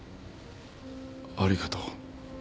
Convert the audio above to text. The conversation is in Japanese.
ありがとう。